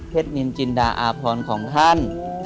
เพชรนินจินดาอาพรณ์ของท่าน